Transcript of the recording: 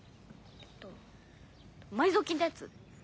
えっと埋蔵金ってやつ？